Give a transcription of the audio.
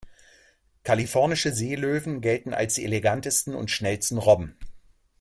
Kalifornische Seelöwen gelten als die elegantesten und schnellsten Robben.